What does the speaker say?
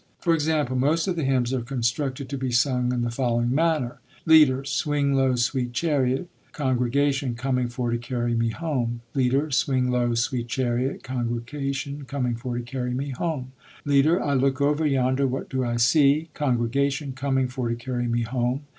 For example, most of these hymns are constructed to be sung in the following manner: Leader. Swing low, sweet chariot. Congregation. Coming for to carry me home. Leader. Swing low, sweet chariot. Congregation. Coming for to carry me home. Leader. I look over yonder, what do I see? Congregation. _Coming for to carry me home.